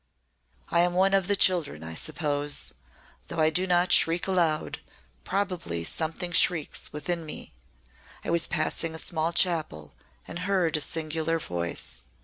"I am one of the children, I suppose. Though I do not shriek aloud, probably something shrieks within me. I was passing a small chapel and heard a singular voice.